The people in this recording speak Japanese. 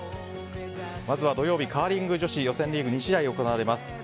まずは土曜日カーリング女子予選リーグが２試合行われます。